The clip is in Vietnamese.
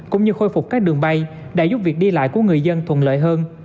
cũng như khôi phục các đường bay đã giúp việc đi lại của người dân thuận lợi hơn